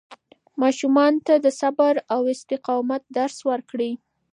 ماشومانو ته د صبر او استقامت درس ورکړئ.